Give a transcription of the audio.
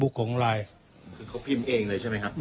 คือเขาพิมพ์เองเลยใช่ไหมครับ